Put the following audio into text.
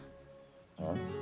うん？